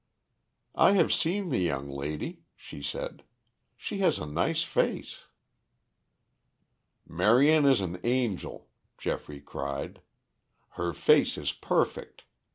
"I have seen the young lady," she said. "She has a nice face." "Marion is an angel," Geoffrey cried. "Her face is perfect.